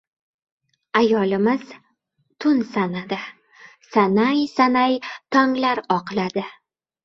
Ayolimiz tun sanadi. Sanay-sanay tonglar oqladi.